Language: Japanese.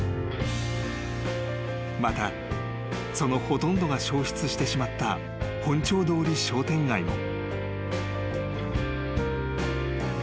［またそのほとんどが焼失してしまった本町通り商店街も］